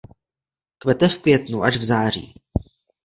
Kvete v květnu až v září.